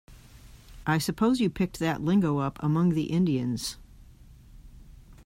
I suppose you picked that lingo up among the Indians.